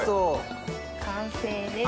完成です。